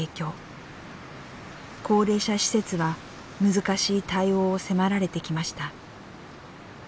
高齢者施設は難しい対応を迫られてきました。